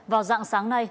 vào dạng sáng nay